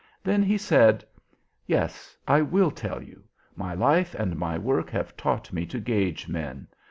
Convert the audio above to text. Then he said: "Yes, I will tell you: my life and my work have taught me to gauge men.